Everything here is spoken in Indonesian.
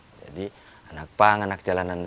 jadi anak pang anak jalanan